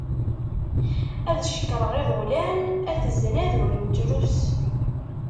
Ad cekkreɣ iḍulan, at znad ur nettrus.